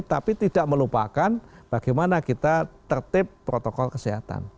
tapi tidak melupakan bagaimana kita tertip protokol kesehatan